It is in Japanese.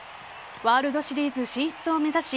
ワールドシリーズ進出を目指し